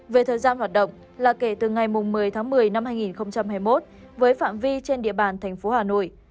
về thời gian hoạt động là kể từ ngày một mươi một mươi hai nghìn hai mươi một với phạm vi trên địa bàn tp hà nội